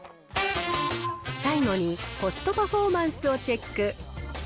最後に、コストパフォーマンスをチェック。